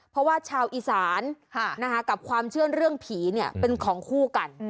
เพราะว่าชาวอีสานกับความเชื่อเรื่องผีเป็นของคู่กัน